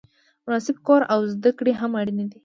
مناسب کور او زده کړې هم اړینې دي.